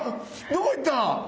どこいった？